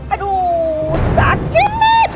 aduh sakit nih